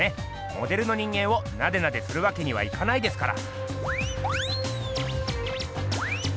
モデルの人間をナデナデするわけにはいかないですから。